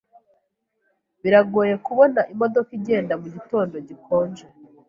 Biragoye kubona imodoka igenda mugitondo gikonje.